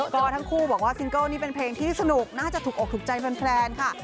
ก็ทั้งคู่บอกว่าซิงเกิ้ลนี่เป็นเพลงที่สนุกน่าจะถูกอกถูกใจแฟนค่ะ